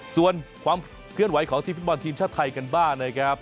ส่วนความเคลื่อนไหวของทีมฟุตบอลทีมชาติไทยกันบ้างนะครับ